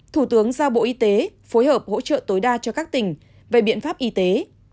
thủ tướng giao bộ y tế phối hợp hỗ trợ tối đa cho các tỉnh về biện pháp y tế